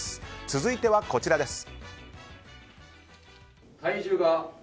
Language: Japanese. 続いてはこちらです。